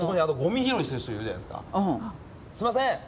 すいません。